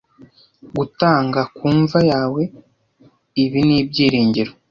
Gutanga ku mva yawe - ibi - n'ibyiringiro